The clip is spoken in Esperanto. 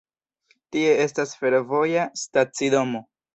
Tie estas fervoja stacidomo.